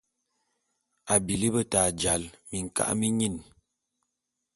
A bili beta jal minka’a minyin.